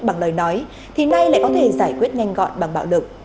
bằng lời nói thì nay lại có thể giải quyết nhanh gọn bằng bạo lực